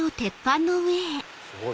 すごい！